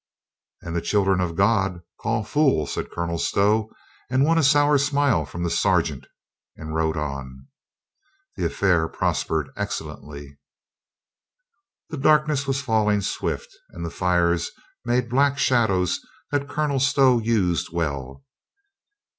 "And the children of God call fool," said Colonel Stow, and won a sour smile from the sergeant, and rode on. The affair prospered excellently. The darkness was falling swift, and the fires made black shadows that Colonel Stow used well.